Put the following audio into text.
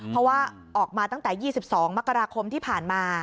เพราะว่าออกมาตั้งแต่ยี่สิบสองมกราคมที่ผ่านมา